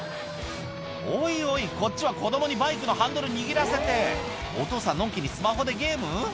おいおいこっちは子供にバイクのハンドル握らせてお父さんのんきにスマホでゲーム？